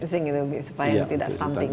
sing itu supaya tidak stunting